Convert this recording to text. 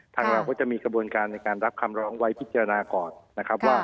เราก็จะมีกระบวนการในการรับคำร้องไว้พิจารณาก่อนนะครับว่า